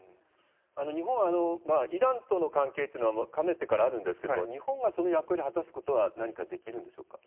日本はイランとの関係というのはかねてからあるんですけど、日本がその役割を果たすことは、何かできるんでしょうか？